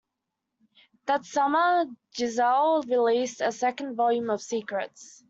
That summer, Geisel released a second volume of "Secrets".